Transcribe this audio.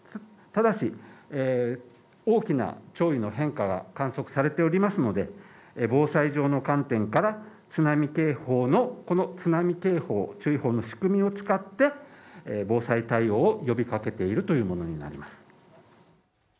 ただし大きな潮位の変化が観測されておりますので防災上の観点から、津波警報のこの津波警報注意報の仕組みを使って、防災対応を呼び掛けているというものになります